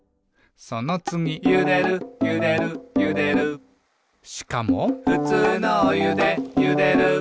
そのつぎ「ゆでるゆでるゆでる」しかも「ふつうのおゆでゆでる」